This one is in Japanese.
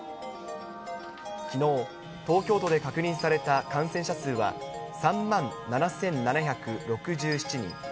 きのう、東京都で確認された感染者数は、３万７７６７人。